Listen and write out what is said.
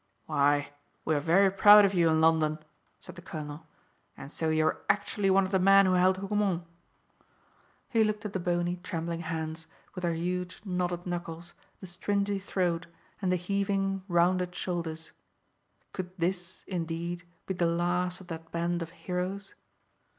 "Why, we are very proud of you in London," said the colonel. "And so you are actually one of the men who held Hougoumont." He looked at the bony, trembling hands, with their huge, knotted knuckles, the stringy throat, and the heaving, rounded shoulders. Could this, indeed, be the last of that band of heroes?